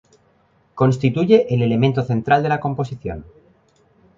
Constituye el elemento central de la composición.